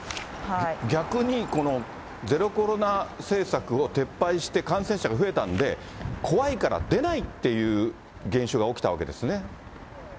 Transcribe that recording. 逆にこのゼロコロナ政策を撤廃して感染者が増えたんで、怖いから出ないっていう現象が起きたわけですね。